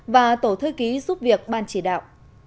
và tổ thư ký giúp việc ban chỉ đạo